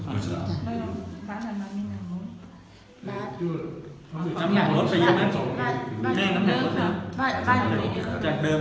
พระหริวัตเจษ์